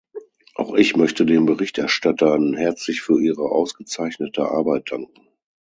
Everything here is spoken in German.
Auch ich möchte den Berichterstattern herzlich für ihre ausgezeichnete Arbeit danken.